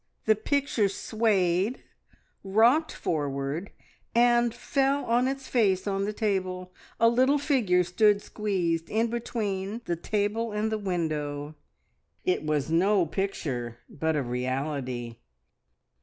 The picture swayed, rocked forward, and fell on its face on the table; a little figure stood squeezed in between the table and the window. It was no picture, but a reality.